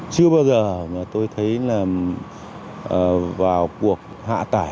chưa bao giờ mà tôi thấy là vào cuộc hạ tải